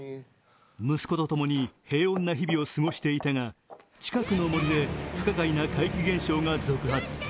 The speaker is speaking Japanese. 息子とともに平穏な日々を過ごしていたが近くの森で不可解な怪奇現象が続発。